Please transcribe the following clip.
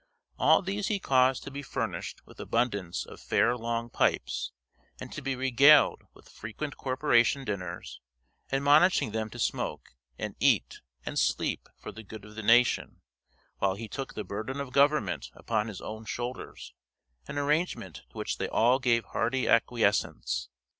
All these he caused to be furnished with abundance of fair long pipes, and to be regaled with frequent corporation dinners, admonishing them to smoke, and eat, and sleep for the good of the nation, while he took the burden of government upon his own shoulders an arrangement to which they all gave hearty acquiescence.